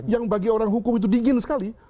yang bagi orang hukum itu dingin sekali